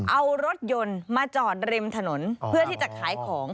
เอารถยนต์มาจอดริมถนนเพื่อที่จะขายของ